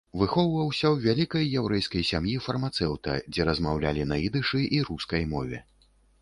Выхоўваўся ў вялікай яўрэйскай сям'і фармацэўта, дзе размаўлялі на ідышы і рускай мове.